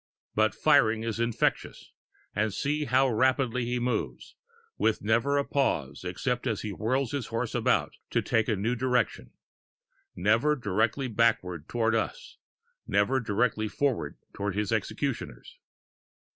But firing is infectious and see how rapidly he moves, with never a pause except as he whirls his horse about to take a new direction, never directly backward toward us, never directly forward toward his executioners.